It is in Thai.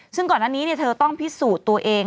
ซึ่งก่อนอันนี้เธอต้องพิสูจน์ตัวเอง